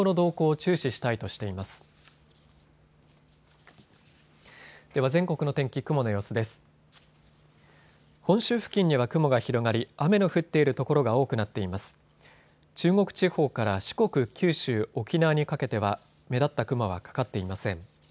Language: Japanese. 中国地方から四国、九州、沖縄にかけては目立った雲はかかっていません。